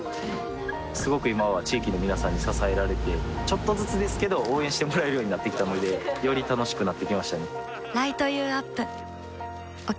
すごく今は地域の皆さんに支えられてちょっとずつですけど応援してもらえるようになってきたのでより楽しくなってきましたね